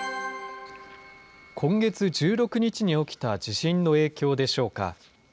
今月１６日に起きた地震の影響でしょうか。